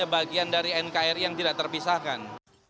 bagian dari nkri yang tidak terpisahkan